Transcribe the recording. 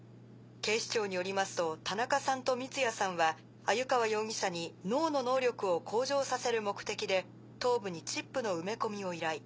警視庁によりますと田中さんと三ツ矢さんは鮎川容疑者に脳の能力を向上させる目的で頭部にチップの埋め込みを依頼。